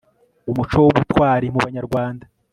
umuco w'ubutwari mu banyarwanda